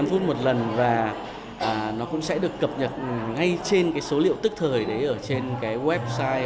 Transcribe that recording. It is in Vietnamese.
năm phút một lần và nó cũng sẽ được cập nhật ngay trên cái số liệu tức thời đấy ở trên cái website